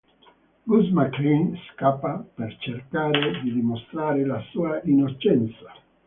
Gus McClain scappa per cercare di dimostrare la sua innocenza.